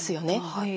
はい。